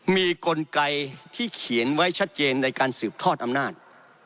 มีกลไกที่เขียนไว้ชัดเจนในการสืบทอดอำนาจ